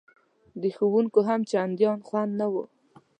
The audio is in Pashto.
د ښوونکیو هم چندان خوند نه و.